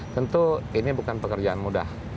tentu ini bukan pekerjaan mudah